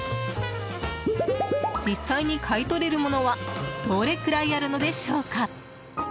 実際に買い取れるものはどれくらいあるのでしょうか。